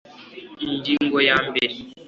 ingingo ya mbere